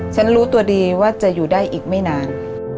ฉันรู้ตัวดีว่าจะอยู่ได้อีกไม่นาน